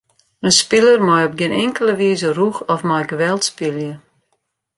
In spiler mei op gjin inkelde wize rûch of mei geweld spylje.